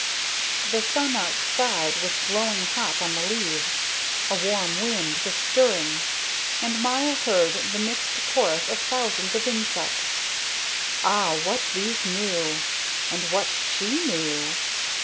The sun outside was glowing hot on the leaves, a warm wind was stirring, and Maya heard the mixed chorus of thousands of insects. Ah, what these knew, and what she knew!